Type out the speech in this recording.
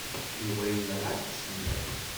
Yuba yenɣa-t usemmiḍ.